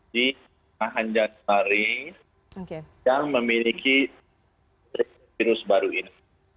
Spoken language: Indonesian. di anjan hari yang memiliki virus baru ini